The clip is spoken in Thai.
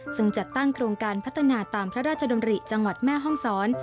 ซึ่งจัดตั้งโครงการพัฒนาตามพระราชดำริจังหวัดแม่ห้องศร